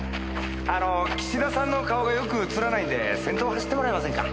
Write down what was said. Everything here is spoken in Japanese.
あの岸田さんの顔がよく映らないんで先頭走ってもらえませんか？